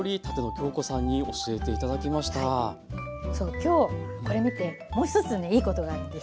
今日これ見てもう一つねいいことがあるんです。